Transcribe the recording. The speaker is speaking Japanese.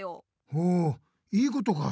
ほいいことか！